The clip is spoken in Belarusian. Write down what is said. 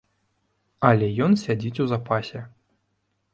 Але ён сядзіць у запасе.